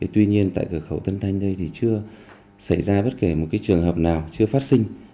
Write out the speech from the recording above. tuy nhiên tại cửa khẩu tân thanh đây thì chưa xảy ra bất kể một trường hợp nào chưa phát sinh